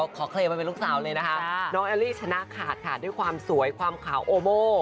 เคลมมาเป็นลูกสาวเลยนะคะน้องแอลลี่ชนะขาดค่ะด้วยความสวยความขาวโอโม่